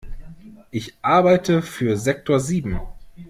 Ich arbeite für Sektor sieben.